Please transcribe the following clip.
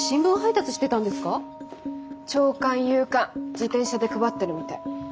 朝刊夕刊自転車で配ってるみたい。